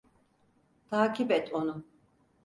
Takip et onu.